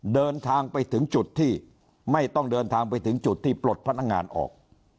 เดินทางไปถึงจุดที่ไม่ต้องเดินทางไปถึงจุดที่ปลดพนักงานออก